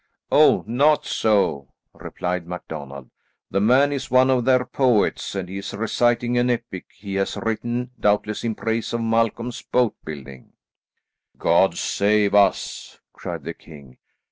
"Oh, not so," replied MacDonald. "The man is one of their poets, and he is reciting an epic he has written, doubtless in praise of Malcolm's boat building." "God save us!" cried the king.